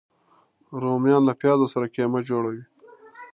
رومیان له پیازو سره قیمه جوړه وي